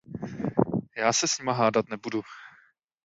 Já se s nima hádat nebudu.